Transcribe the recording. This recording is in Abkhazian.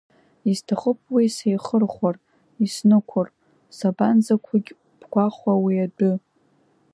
Исҭахуп уи сеихырхәар, иснықәыр, сабанӡақәугь бгәахәуа уи адәы!